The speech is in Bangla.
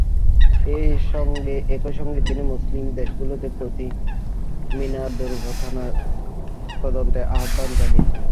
একই সঙ্গে তিনি মুসলিম দেশগুলোর প্রতি মিনা দুর্ঘটনার তদন্তের আহ্বান জানিয়েছেন।